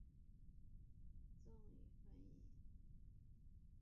降边嘉措还为班禅和达赖当过藏语翻译。